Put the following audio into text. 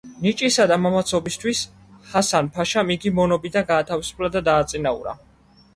ნიჭისა და მამაცობისათვის ჰასან-ფაშამ იგი მონობიდან გაათავისუფლა და დააწინაურა.